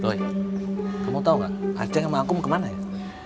doi kamu tau gak aceh sama akum kemana ya